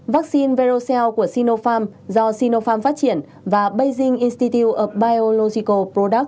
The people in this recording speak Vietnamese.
ba vaccine verocell của sinopharm do sinopharm phát triển và beijing institute of biological products